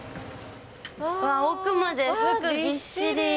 奥まで服ぎっしり。